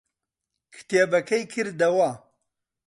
کتێبەکەی کردەوە.